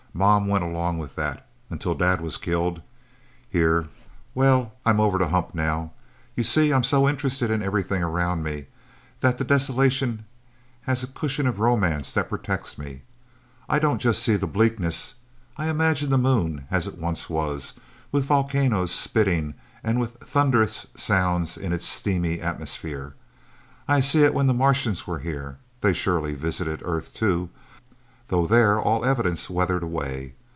Mom went along with that until Dad was killed, here... Well, I'm over the hump, now. You see, I'm so interested in everything around me, that the desolation has a cushion of romance that protects me. I don't see just the bleakness. I imagine the Moon as it once was, with volcanoes spitting, and with thundrous sounds in its steamy atmosphere. I see it when the Martians were here they surely visited Earth, too, though there all evidence weathered away.